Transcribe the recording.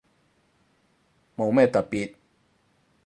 冇咩特別